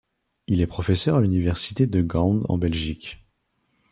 Il est professeur à l'université de Gand en Belgique.